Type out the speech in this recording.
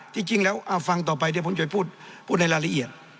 จริงแล้วฟังต่อไปเดี๋ยวผมจะพูดในรายละเอียด